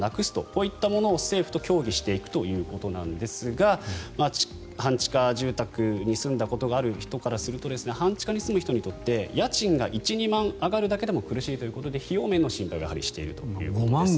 こういったものを政府と協議していくということなんですが半地下住宅に住んだことがある人からすると半地下に住む人にとって家賃が１２万円上がるだけでも費用面の心配をしているということです。